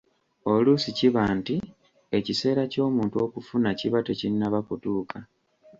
Oluusi kiba nti ekiseera ky'omuntu okufuna kiba tekinnaba kutuuka.